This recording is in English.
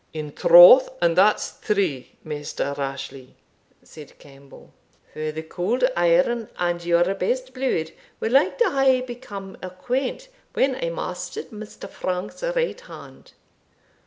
"In troth, and that's true, Maister Rashleigh," said Campbell; "for the cauld iron and your best bluid were like to hae become acquaint when I mastered Mr. Frank's right hand.